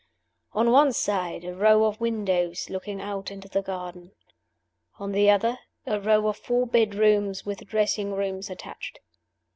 On one side, a row of windows looking out into the garden. On the other, a row of four bedrooms, with dressing rooms attached.